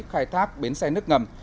khai thác bến xe nước ngầm